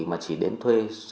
mà chỉ đến thuê